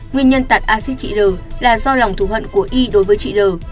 nguyên nhân tạt acid chị l là do lòng thù hận của y đối với chị l